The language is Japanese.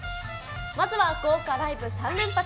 まずは豪華ライブ３連発。